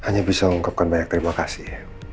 hanya bisa mengungkapkan banyak terima kasih